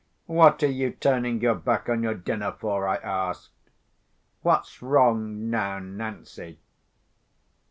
"What are you turning your back on your dinner for?" I asked. "What's wrong now, Nancy?"